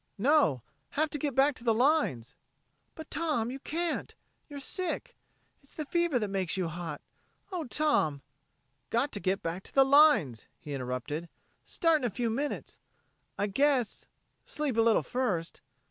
"No have to get back to the lines." "But you can't, Tom. You're sick. It's the fever that makes you hot. Oh, Tom...." "Got to get back to the lines," he interrupted. "Start in a few minutes. I guess ... sleep a little first.